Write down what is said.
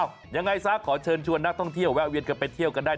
ยังไงซะขอเชิญชวนนักท่องเที่ยวแวะเวียนกันไปเที่ยวกันได้